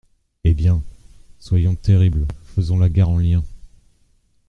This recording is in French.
«Eh bien ! soyons terribles, faisons la guerre en liens.